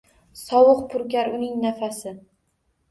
Sovuq purkar uning nafasi.